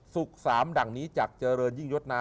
สามดั่งนี้จากเจริญยิ่งยศนา